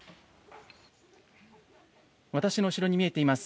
私の後ろに見えています